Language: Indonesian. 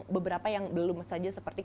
beberapa yang belum saja seperti